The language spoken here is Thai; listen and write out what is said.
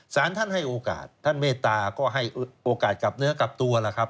สารท่านให้โอกาสท่านเมตตาก็ให้โอกาสกลับเนื้อกลับตัวล่ะครับ